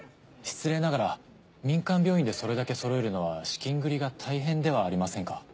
失礼ながら民間病院でそれだけそろえるのは資金繰りが大変ではありませんか？